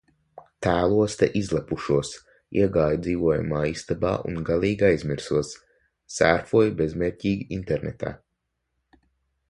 Tēlos te izlepušos. Iegāju dzīvojamā istabā un galīgi aizmirsos. Sērfoju bezmērķīgi internetā.